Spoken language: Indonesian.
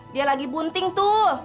dia lagi bunting tuh